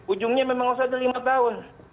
ujungnya memang harus ada lima tahun